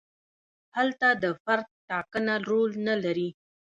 هلته د فرد ټاکنه رول نه لري.